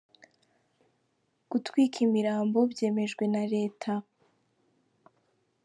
Gutwika imirambo byemejwe na leta